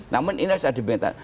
namun ini harus ada pemerintahan